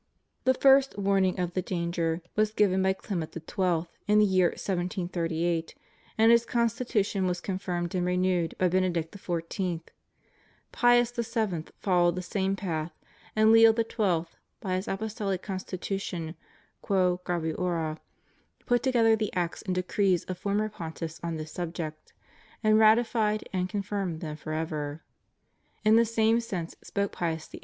The first warning of the danger was given by Clement FREEMASONRY. 86 XII. in the year 1738, and his Constitution was confirmed and renewed by Benedict XIV. Pius VII. followed the same path; and Leo XII., by his Apostolic Constitution, "Qwo graviora," put together the acts and decrees of former Pontiffs on this subject, and ratified and con firmed them forever. In the same sense spoke Pius VIII.